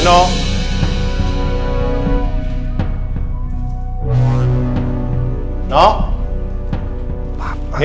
jadi masalahnya sekarang udah selesai